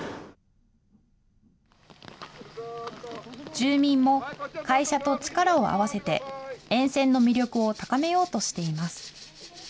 住民も会社と力を合わせて、沿線の魅力を高めようとしています。